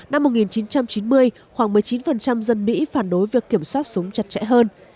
năm một nghìn chín trăm chín mươi khoảng một mươi chín dân mỹ phản đối việc kiểm soát súng chặt chẽ hơn